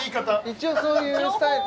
一応そういうスタイル